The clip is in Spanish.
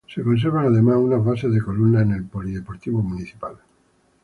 Se conservan además unas basas de columnas en el Polideportivo Municipal.